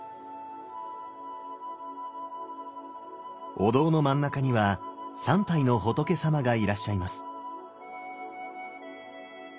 お堂の真ん中には３体の仏さまがいらっしゃいます。